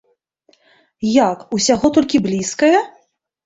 Як, усяго толькі блізкае?!